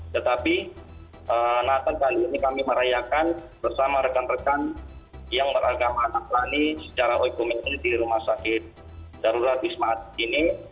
tetapi natal kali ini kami merayakan bersama rekan rekan yang beragama nasrani secara ekonomi di rumah sakit darurat wisma atlet ini